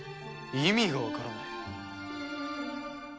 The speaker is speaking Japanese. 意味がわからない。